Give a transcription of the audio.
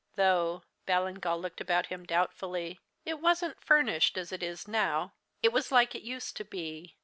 Though" Ballingall looked about him doubtfully "it wasn't furnished as it is now. It was like it used to be.